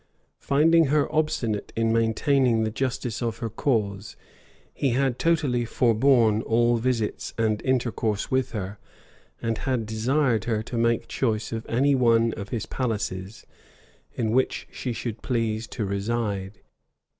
Finding her obstinate in maintaining the justice of her cause, he had totally forborne all visits and intercourse with her; and had desired her to make choice of any one of his palaces, in which she should please to reside.